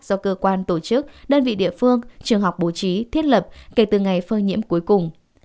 do cơ quan tổ chức đơn vị địa phương trường học bổ trí thiết lập kể từ ngày phơi nhiễm cuối cùng